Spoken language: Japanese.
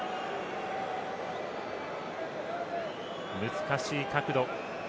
難しい角度。